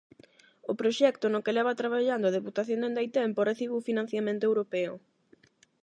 O proxecto, no que leva traballando a Deputación dende hai tempo, recibiu financiamento europeo.